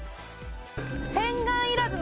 洗顔いらずの湯？